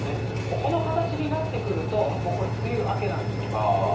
この形になってくると、これ梅雨明けなんですよ。